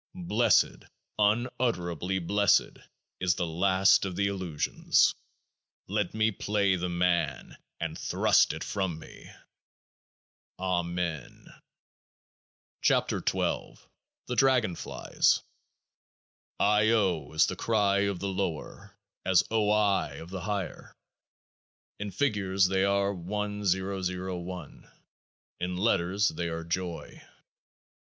Blessed, unutterably blessed, is this last of the illusions ; let me play the man, and thrust it from me ! Amen. 20 KEOAAH IB THE DRAGON FLIES IO is the cry of the lower as OI of the higher. In figures they are 1001 ; 9 in letters they are Joy.